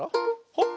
ほっ！